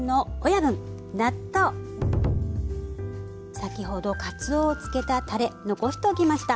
先ほどかつおをつけたたれ残しておきました。